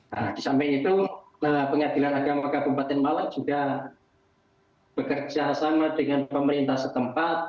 nah di samping itu pengadilan agama kabupaten malang juga bekerja sama dengan pemerintah setempat